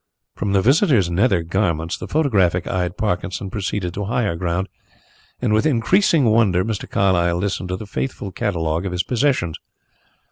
From the visitor's nether garments the photographic eyed Parkinson proceeded to higher ground, and with increasing wonder Mr. Carlyle listened to the faithful catalogue of his possessions.